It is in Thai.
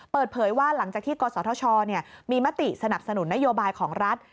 เปิดเผยว่าหลังจากที่กศธชมีมติสนับสนุนนโยบายของรัฐ